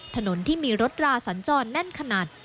ถนนที่มีรถราสัญจรแน่นขนาด